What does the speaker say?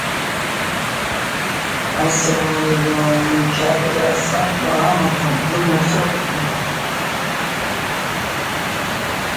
Duceppe called his membership a mistake and based it on his youth.